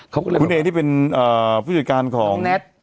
คุณเอที่เป็นผู้จัดการของ